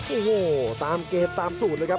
โอ้โหตามเกมตามสูตรเลยครับ